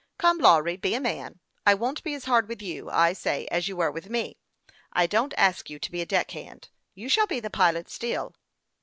Come, Lawry, be a man. I won't be as hard with you, I say, as you were with me. I don't ask you to be a deck hand. You shall be the pilot still."